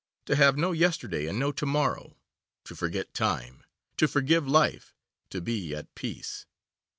To have no yesterday, and no to morrow. To forget time, to forgive life, to be at peace.